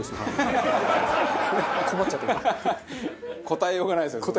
答えようがないですよね。